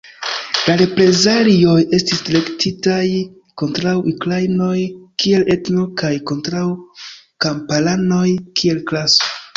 La reprezalioj estis direktitaj kontraŭ ukrainoj kiel etno kaj kontraŭ kamparanoj kiel klaso.